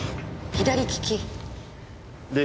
左利き。で？